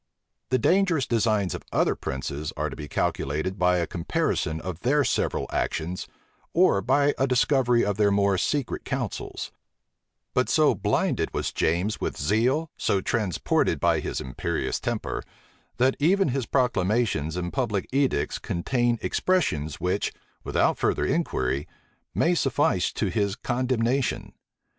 The dangerous designs of other princes are to be collected by a comparison of their several actions, or by a discovery of their more secret counsels: but so blinded was James with zeal, so transported by his imperious temper, that even his proclamations and public edicts contain expressions which, without further inquiry, may suffice to his condemnation.